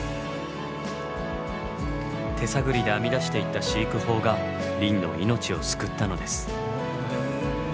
手探りで編み出していった飼育法が輪の命を救ったのです。